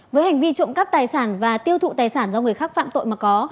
với hành vi trộm cắp tài sản và tiêu thụ tài sản do người khác phạm tội mà có